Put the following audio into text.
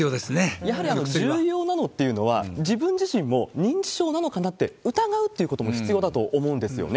やはり重要なのっていうのは、自分自身も認知症なのかなって疑うことも必要だと思うんですよね。